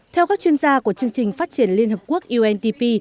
theo các chuyên gia của chương trình phát triển liên hợp quốc undp